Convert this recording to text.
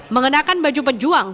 mengenakan baju pejuang